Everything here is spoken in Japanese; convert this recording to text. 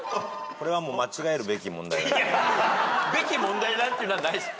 「べき問題」なんていうのはないです。